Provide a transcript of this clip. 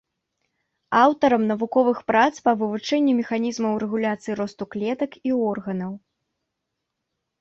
Аўтарам навуковых прац па вывучэнні механізмаў рэгуляцыі росту клетак і органаў.